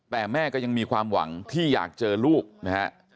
แต่แม่ก็ยังมีความหวังที่อยากเจอลูกนะฮะ